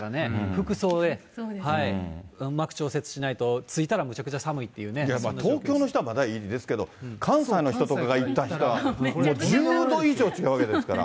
服装でうまく調節しないと、着いたら、いやまあ、東京の人はまだいいですけど、関西の人とかが行ったらは、１０度以上違うわけですから。